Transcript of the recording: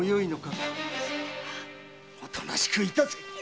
おとなしくいたせ！